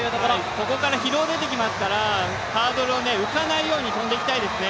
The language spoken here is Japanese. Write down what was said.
ここから疲労が出てきますから、ハードル、浮かないように飛んでいきたいですね。